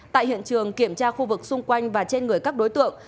tại hiện trường kiểm tra khu vực xung quanh và trên người các đối tượng